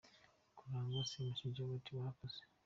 Karangwa Semushi Gerard : Murakoze !